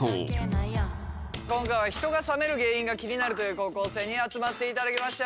今回は人が冷める原因が気になるという高校生に集まっていただきました。